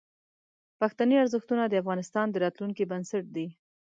پښتني ارزښتونه د افغانستان د راتلونکي بنسټ دي.